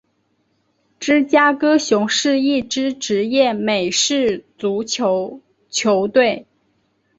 芝加哥熊是一支职业美式足球球队。